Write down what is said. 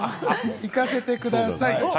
いかせてください。